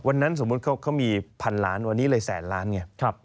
สมมุติเขามีพันล้านวันนี้เลยแสนล้านไง